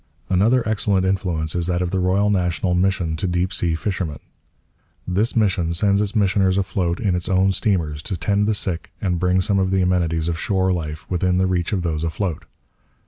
Another excellent influence is that of the Royal National Mission to Deep Sea Fishermen. This mission sends its missioners afloat in its own steamers to tend the sick and bring some of the amenities of shore life within the reach of those afloat.